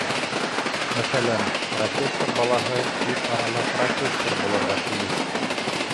Мәҫәлән, профессор балаһы тиҙ арала профессор булырға тейеш.